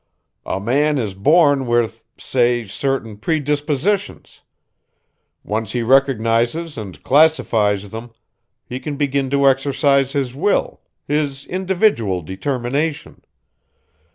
A man is born with, say, certain predispositions. Once he recognizes and classifies them, he can begin to exercise his will, his individual determination.